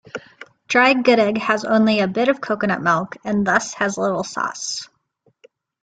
Dry gudeg has only a bit of coconut milk and thus has little sauce.